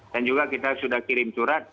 dan juga kita sudah kirim surat